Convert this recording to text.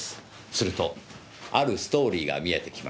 するとあるストーリーが見えてきました。